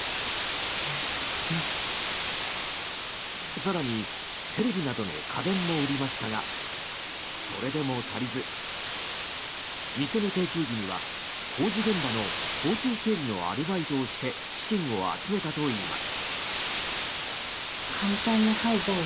更に、テレビなどの家電も売りましたがそれでも足りず、店の定休日には工事現場の交通整理のアルバイトをして資金を集めたといいます。